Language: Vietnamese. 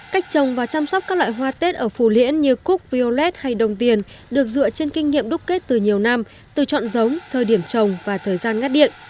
cách trồng và chăm sóc các loại hoa tết ở phù liễn như cúc piolet hay đồng tiền được dựa trên kinh nghiệm đúc kết từ nhiều năm từ chọn giống thời điểm trồng và thời gian ngắt điện